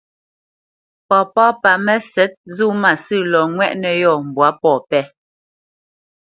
Papá pa Mə́sɛ̌t zó mâsə̂ lɔ ŋwɛ́ʼnə̄ yɔ̂ mbwǎ pɔ̂ pɛ́.